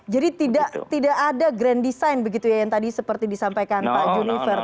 tidak ada grand design begitu ya yang tadi seperti disampaikan pak junifer